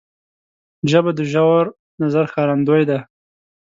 ژبه د ژور نظر ښکارندوی ده